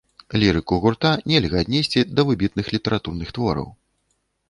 Лірыку гурта нельга аднесці да выбітных літаратурных твораў.